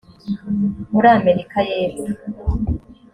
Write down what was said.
muri amerika y epfo